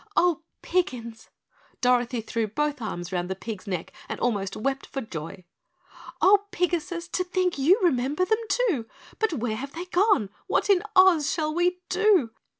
"Oh, Piggins!" Dorothy threw both arms round the pig's neck and almost wept for joy: "Oh Pigasus to think you remember them, too, But where have they gone? What in Oz shall we do?"